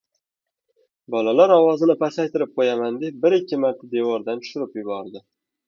Bolalar ovozini pasaytirib qo‘yaman deb, bir-ikki marta devordan tushirib yubordi.